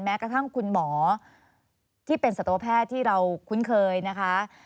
แม้กระทั่งคุณหมอที่เป็นสัตวแพทย์ที่เราคุ้นเคยนะคะ